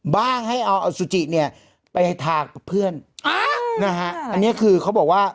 ให้เอาอสุจิเนี่ยไปทากับเพื่อนอ่านะฮะอันนี้คือเขาบอกว่า